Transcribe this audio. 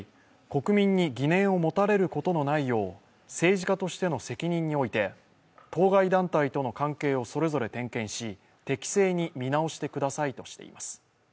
国民に疑念を持たれることのないよう政治家としての責任において当該団体との関係をそれぞれ点検し適正に見直してくださいとしています。